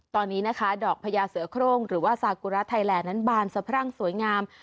ตอนนี้นะคะดอกพญาเสือโครงหรือว่าซากุระไทยแลนดนั้นบานสะพรั่งสวยงาม